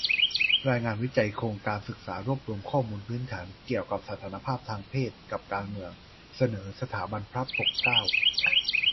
รายงานวิจัย โครงการศึกษารวบรวมข้อมูลพื้นฐานเกี่ยวกับสถานภาพทางเพศกับการเมือง - เสนอ สถาบันพระปกเกล้า